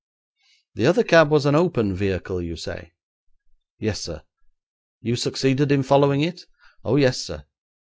'The other cab was an open vehicle, you say?' 'Yes, sir.' 'You succeeded in following it?' 'Oh, yes, sir.